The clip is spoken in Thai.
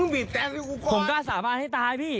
ผมกล้าสาบานให้ตายพี่